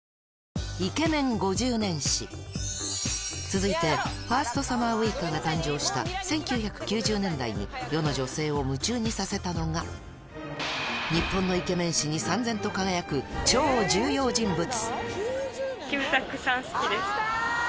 続いてファーストサマーウイカが誕生した１９９０年代に、世の女性を夢中にさせたのが、日本のイケメン史に燦然と輝く超重要人物。